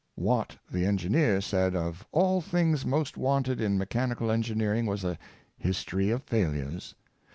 Watt the engineer said, of all things most wanted in mechanical engineering was a history of failures.